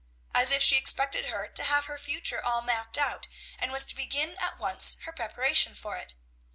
as if she expected her to have her future all mapped out, and was to begin at once her preparation for it.